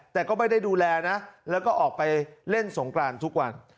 แต่ก็ไม่ได้ดูแลนะแล้วก็ออกไปเล่นสงกรานทุกวัน